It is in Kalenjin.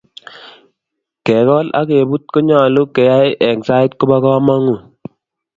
ke gol ak kebut konyalun keai eng' sait kobo kamangut